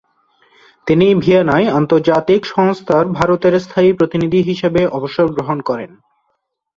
তিনি ভিয়েনায় আন্তর্জাতিক সংস্থার ভারতের স্থায়ী প্রতিনিধি হিসাবে অবসর গ্রহণ করেন।